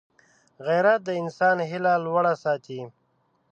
غیرت د انسان هیله لوړه ساتي